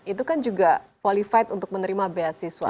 itu kan juga qualified untuk menerima beasiswa